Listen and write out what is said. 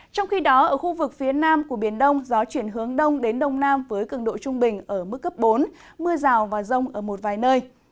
trong khi đó ở khu vực phía nam của biển đông gió chuyển hướng đông đến đông nam với cường độ trung bình ở mức cấp bốn mưa rào và rông ở một vài nơi